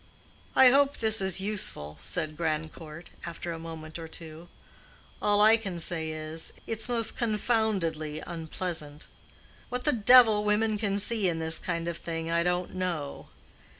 "I hope this is useful," said Grandcourt, after a moment or two. "All I can say is, it's most confoundedly unpleasant. What the devil women can see in this kind of thing, I don't know.